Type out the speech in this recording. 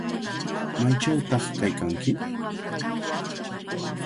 ¿Maychawtaq kaykanki?